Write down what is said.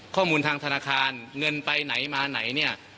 ข้อมูลทางธนาคารเงินไปไหนมาไหนเนี่ย